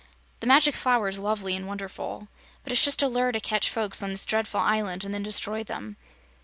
The Magic Flower is lovely and wonderful, but it's just a lure to catch folks on this dreadful island and then destroy them.